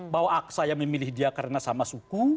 bahwa saya memilih dia karena sama suku